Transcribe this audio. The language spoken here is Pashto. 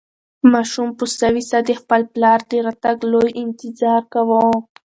ماشوم په سوې ساه د خپل پلار د راتګ لوی انتظار کاوه.